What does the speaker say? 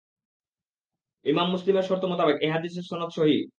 ইমাম মুসলিমের শর্ত মোতাবেক এ হাদীসের সনদ সহীহ।